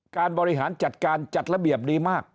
การบริหารจัดการจัดระเบียบดีมาก